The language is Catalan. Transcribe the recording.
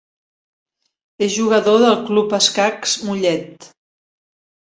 És jugador del Club Escacs Mollet.